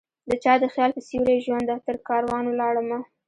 دچا د خیال په سیوری ژونده ؛ ترکاروان ولاړمه